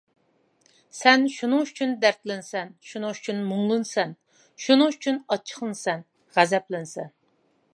سەن شۇنىڭ ئۈچۈن دەردلىنىسەن ، شۇنىڭ ئۈچۈن مۇڭلىنىسەن ، شۇنىڭ ئۈچۈن ئاچچىقلىنىسەن ، غەزەپلىنىسەن .